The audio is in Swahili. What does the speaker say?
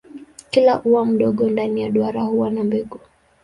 Kila ua mdogo ndani ya duara huwa na mbegu.